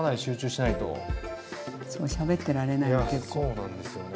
そうなんですよね。